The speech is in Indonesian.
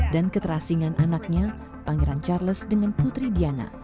dan keterasingan anaknya pangeran charles dengan putri diana